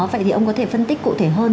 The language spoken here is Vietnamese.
vậy thì ông có thể phân tích cụ thể hơn